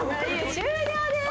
終了です。